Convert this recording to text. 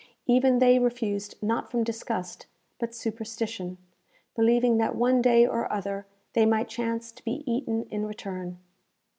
Even they refused not from disgust, but superstition, believing that one day or other they might chance to be eaten in return.